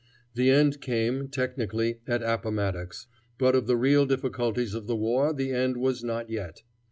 The end came, technically, at Appomattox, but of the real difficulties of the war the end was not yet.